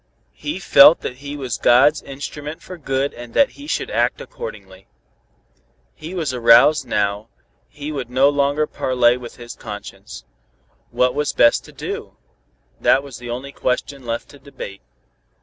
He felt that he was God's instrument for good and that he should act accordingly. He was aroused now, he would no longer parley with his conscience. What was best to do? That was the only question left to debate.